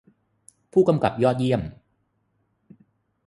- ผู้กำกับยอดเยี่ยม